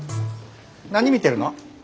何見てるの？